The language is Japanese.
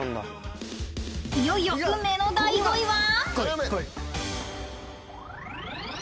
［いよいよ運命の第５位は？］